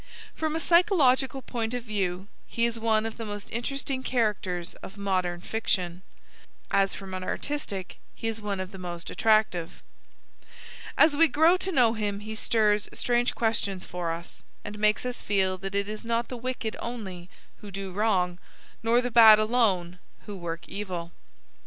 From a psychological point of view he is one of the most interesting characters of modem fiction, as from an artistic he is one of the most attractive. As we grow to know him he stirs strange questions for us, and makes us feel that it is not the wicked only who do wrong, nor the bad alone who work evil.